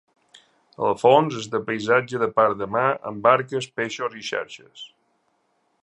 El fons és de paisatge de part de mar amb barques, peixos i xarxes.